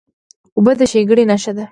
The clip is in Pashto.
اوبه د ښېګڼې نښه ده.